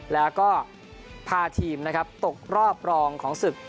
แล้วก็พาทีมนะครับตกรอบรองของศึก